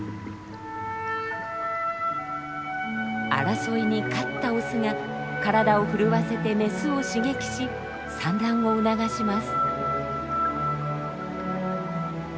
争いに勝ったオスが体を震わせてメスを刺激し産卵を促します。